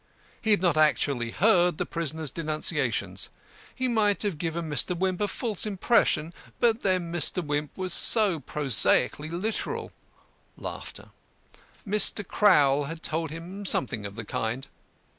He had not actually heard the prisoner's denunciations; he might have given Mr. Wimp a false impression, but then Mr. Wimp was so prosaically literal. Mr. Crowl had told him something of the kind.